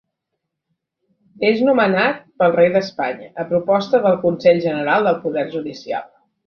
És nomenat pel Rei d'Espanya, a proposta del Consell General del Poder Judicial.